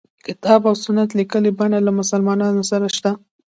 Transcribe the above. کتاب او سنت لیکلي بڼه له مسلمانانو سره شته.